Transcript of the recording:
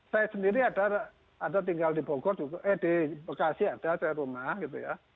saya sendiri ada tinggal di bekasi ada saya rumah gitu ya